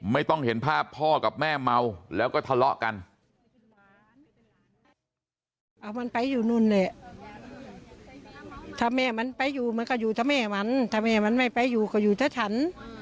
ไม่ต้องเห็นภาพพ่อกับแม่เมาแล้วก็ทะเลาะกัน